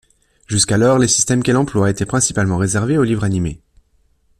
Jusqu'alors, les systèmes qu'elle emploie étaient principalement réservés au livre animé.